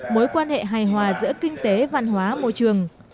mối quan hệ hài hòa giữa kinh tế văn hóa môi trường